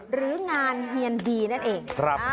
หรืองานเฮียนดีนั่นเอง